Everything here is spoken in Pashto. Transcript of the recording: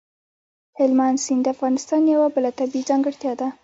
هلمند سیند د افغانستان یوه بله طبیعي ځانګړتیا ده.